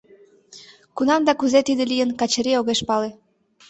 Кунам да кузе тиде лийын, Качырий огеш пале.